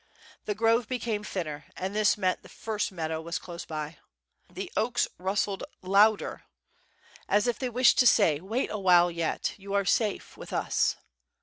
The grove became thinner, and this meant the first meadow was close by. The oaks rustled louder, as if they wished to say, "Wait awhile yet, you are safe with us."